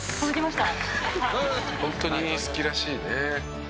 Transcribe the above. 「ホントに好きらしいね」